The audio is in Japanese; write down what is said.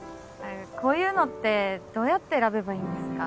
こういうのってどうやって選べばいいんですか？